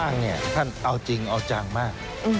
ท่านเนี่ยท่านเอาจริงเอาจังมาก